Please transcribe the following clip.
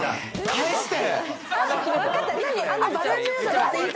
返して！